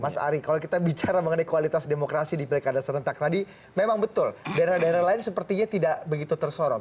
mas ari kalau kita bicara mengenai kualitas demokrasi di pilkada serentak tadi memang betul daerah daerah lain sepertinya tidak begitu tersorot